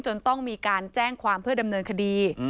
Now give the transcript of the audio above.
จนต้องมีการแจ้งความเพื่อดำเนินคดี